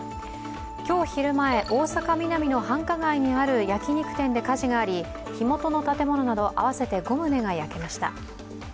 今日昼前、大阪・ミナミの繁華街にある焼肉店で火事があり、火元の建物など合わせて５棟が焼けました。